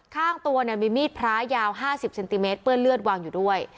ข้างตัวมีมีดพระยาว๕๐เซนติเมตรเปื้อนเลือดวางอยู่ด้วย